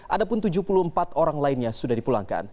adapun tujuh puluh empat orang lainnya sudah dipulangkan